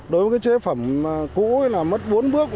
đối với cái chế phẩm cũ là mất bốn bước